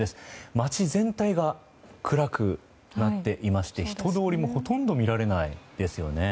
街全体が暗くなっていまして人通りもほとんど見られないですよね。